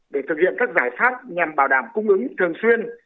để thực hiện các giải pháp nhằm bảo đảm cung ứng thường xuyên